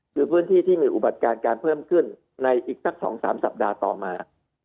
คือพื้นที่ที่มีอุบัติการการเพิ่มขึ้นในอีกสัก๒๓สัปดาห์ต่อมา